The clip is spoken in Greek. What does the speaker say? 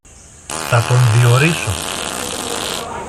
Θα τον διορίσω.